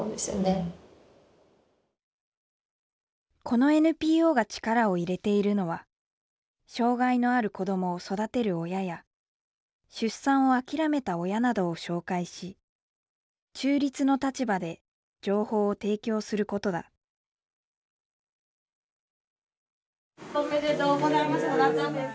このＮＰＯが力を入れているのは障害のある子どもを育てる親や出産を諦めた親などを紹介し中立の立場で情報を提供することだおめでとうございます。